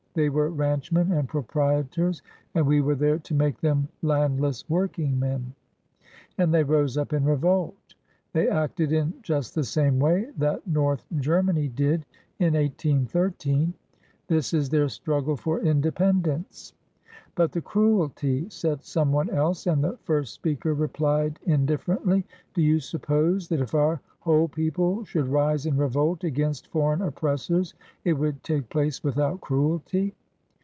They were ranchmen and proprietors, and we were there to make them landless workingmen; and they rose up in revolt. They acted in just the same way that North Germany did in 1813. This is their struggle for independence." *'But the cruelty?" said some one else, and the first speaker repHed indifferently: "Do you suppose that if our whole people should rise in revolt against foreign oppressors it would take place without cruelty?